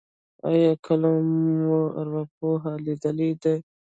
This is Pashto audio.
ایا کله مو ارواپوه لیدلی دی؟